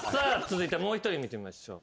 続いてもう一人見てみましょう。